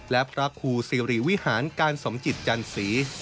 และพระครูสิริวิหารการสมจิตจันสี